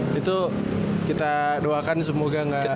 wah itu kita doakan semoga ga